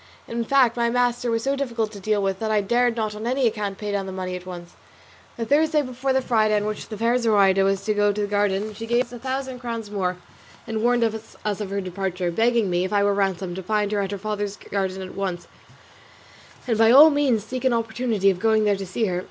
In fact my master was so difficult to deal with that I dared not on any account pay down the money at once. The Thursday before the Friday on which the fair Zoraida was to go to the garden she gave us a thousand crowns more, and warned us of her departure, begging me, if I were ransomed, to find out her father's garden at once, and by all means to seek an opportunity of going there to see her.